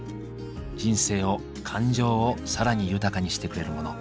人生を感情を更に豊かにしてくれるモノ。